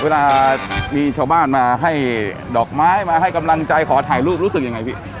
เวลามีชาวบ้านมาให้ดอกไม้มาให้กำลังใจขอถ่ายรูปรู้สึกยังไงพี่